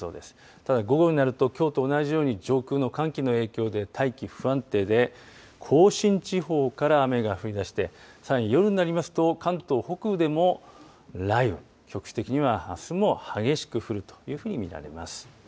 ただ午後になると、きょうと同じように、上空の寒気の影響で、大気不安定で、甲信地方から雨が降りだして、さらに夜になりますと、関東北部でも雷雨、局地的にはあすも激しく降るというふうに見られます。